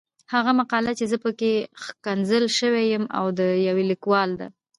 هغه مقاله چې زه پکې ښکنځل شوی یم د يو ليکوال ده.